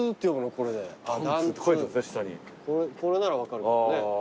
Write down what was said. これなら分かるけどね。